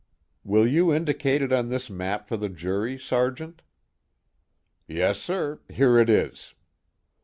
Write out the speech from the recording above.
"Will you indicate it on this map for the jury, Sergeant?" "Yes, sir. Here it is."